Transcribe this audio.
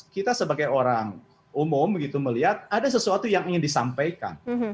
kita sebagai orang umum melihat ada sesuatu yang ingin disampaikan